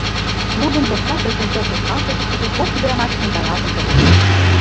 Клубын лопка пӧртӧнчыл тошкалтышыштыже кок ӱдрамаш ӧндалалтын шогат.